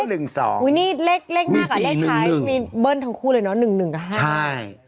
นี่เลขหน้ากับเลขท้ายมีเบิ้ลทั้งคู่เลยเนอะ๑๑กับ๕ใช่